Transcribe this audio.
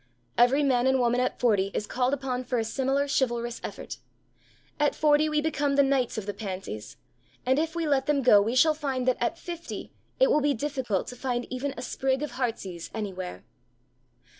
Every man and woman at forty is called upon for a similar chivalrous effort. At forty we become the knights of the pansies, and if we let them go we shall find that at fifty it will be difficult to find even a sprig of heartsease anywhere.